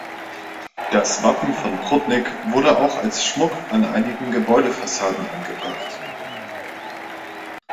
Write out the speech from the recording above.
Das Wappen von Prudnik wurde auch als Schmuck an einigen Gebäudefassaden angebracht.